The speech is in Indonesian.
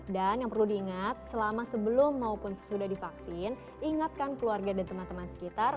dan yang perlu diingat selama sebelum maupun sesudah divaksin ingatkan keluarga dan teman teman sekitar